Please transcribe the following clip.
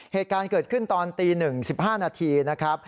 เหตุการณ์เกิดขึ้นตอนตี๑๑๕นาทีนะครับ